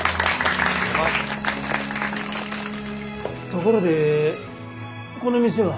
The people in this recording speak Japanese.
ところでこの店は？